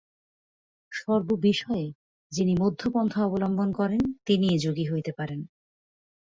সর্ব বিষয়ে যিনি মধ্যপন্থা অবলম্বন করেন, তিনিই যোগী হইতে পারেন।